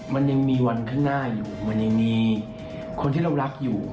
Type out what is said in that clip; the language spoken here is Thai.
มันยังมีวันข้างหน้าอยู่มันยังมีคนที่เรารักอยู่